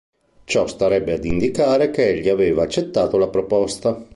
Ciò starebbe ad indicare che egli aveva accettato la proposta.